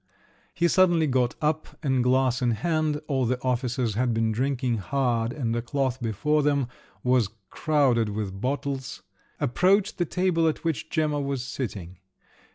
He suddenly got up, and glass in hand—all the officers had been drinking hard, and the cloth before them was crowded with bottles—approached the table at which Gemma was sitting.